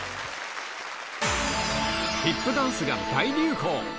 ヒップダンスが大流行。